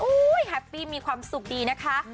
แฮปปี้มีความสุขดีนะคะ